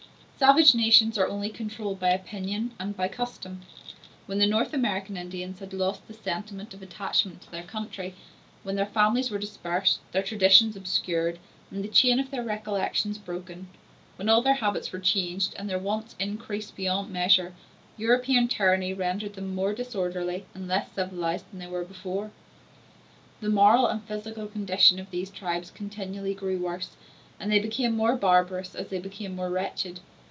Savage nations are only controlled by opinion and by custom. When the North American Indians had lost the sentiment of attachment to their country; when their families were dispersed, their traditions obscured, and the chain of their recollections broken; when all their habits were changed, and their wants increased beyond measure, European tyranny rendered them more disorderly and less civilized than they were before. The moral and physical condition of these tribes continually grew worse, and they became more barbarous as they became more wretched.